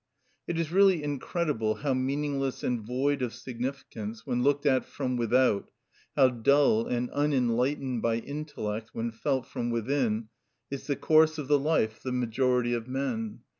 It is really incredible how meaningless and void of significance when looked at from without, how dull and unenlightened by intellect when felt from within, is the course of the life of the great majority of men.